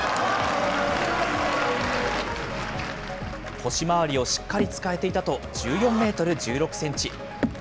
腰回りをしっかり使えていたと、１４メートル１６センチ。